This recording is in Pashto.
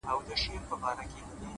اخلاص د نیک عمل ښکلا بشپړوي.!